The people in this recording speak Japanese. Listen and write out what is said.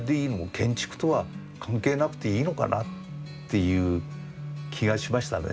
建築とは関係なくていいのかな？っていう気がしましたね